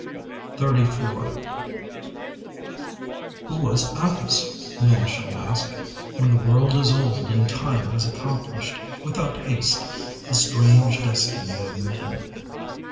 XXXIV "Who was Atthis?" men shall ask, When the world is old, and time Has accomplished without haste The strange destiny of men.